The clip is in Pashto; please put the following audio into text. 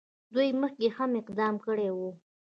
دوی مخکې هم اقدام کړی وو.